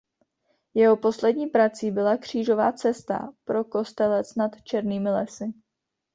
Jeho poslední prací byla křížová cesta pro Kostelec nad Černými lesy.